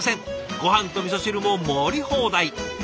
ごはんとみそ汁も盛り放題。